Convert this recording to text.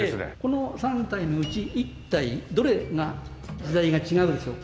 この３体のうち１体どれが時代が違うでしょうか？